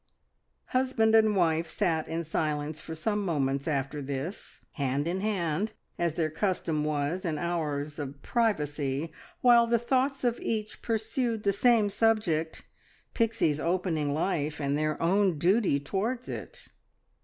Husband and wife sat in silence for some moments after this, hand in hand, as their custom was in hours of privacy, while the thoughts of each pursued the same subject Pixie's opening life and their own duty towards it.